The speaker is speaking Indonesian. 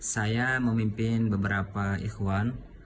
saya memimpin beberapa ikhwan